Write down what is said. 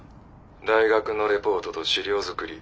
大学のレポートと資料作り